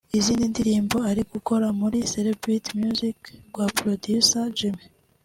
Izi ndirimbo ari gukorera muri Celebrit Music kwa Producer Jimmy